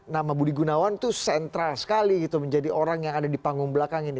nama budi gunawan itu sentral sekali gitu menjadi orang yang ada di panggung belakang ini